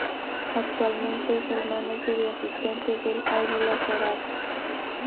Actualmente es el mánager y asistente del Águilas Doradas.